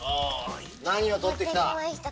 何を取ってきた？